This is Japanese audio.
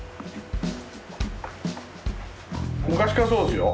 昔からそうですよ。